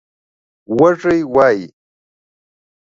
وزۍ وايي